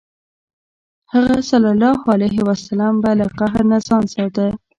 هغه ﷺ به له قهر نه ځان ساته.